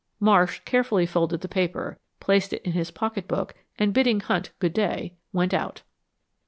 Marsh carefully folded the paper, placed it in his pocket book, and bidding Hunt good day, went out.